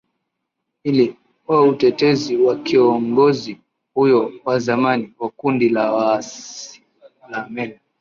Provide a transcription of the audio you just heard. li wa utetezi wa kiongozi huyo wa zamani wa kundi la waasi la mend